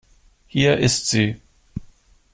Hier ist sie.